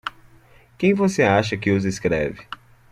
Quem você acha que os escreve?